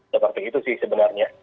seperti itu sih sebenarnya